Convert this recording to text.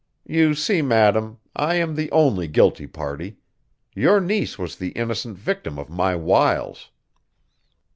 You see madam, I am the only guilty party. Your niece was the innocent victim of my wiles."